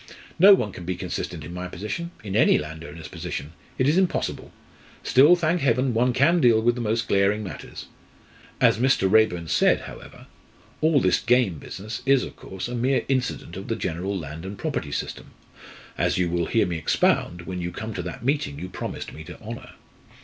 No one can be consistent in my position in any landowner's position it is impossible; still, thank Heaven, one can deal with the most glaring matters. As Mr. Raeburn said, however, all this game business is, of course, a mere incident of the general land and property system, as you will hear me expound when you come to that meeting you promised me to honour."